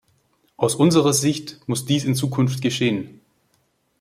Aus unserer Sicht muss dies in Zukunft geschehen.